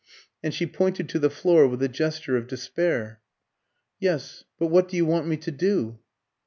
And she pointed to the floor with a gesture of despair. "Yes; but what do you want me to do?"